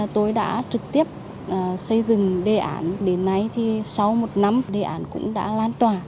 tôi đã trực tiếp xây dựng đề án đến nay thì sau một năm đề án cũng đã lan tỏa